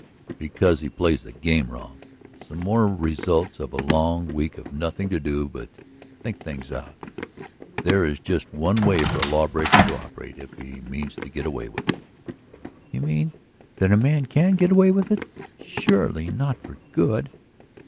"Because he plays the game wrong! Some more results of a long week of nothing to do but think things out. There is just one way for a law breaker to operate if he means to get away with it." "You mean that a man can get away with it? Surely not for good?"